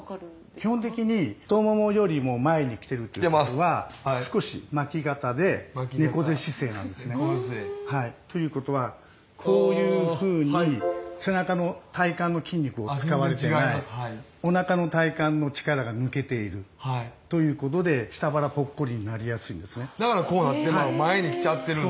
基本的に太ももよりも前にきてるっていうことは少し巻き肩で猫背姿勢なんですね。ということはこういうふうに背中の体幹の筋肉を使われてないおなかの体幹の力が抜けているということでだからこうなってるのは前にきちゃってるんや。